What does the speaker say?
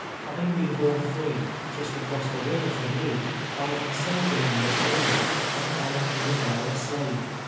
" Having been born free, just across the river from you, I am certain you must know me, and I am here now a slave.